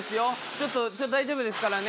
ちょっとちょっと大丈夫ですからね。